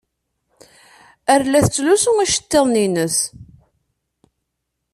Ur la tettlusu iceḍḍiḍen-nnes.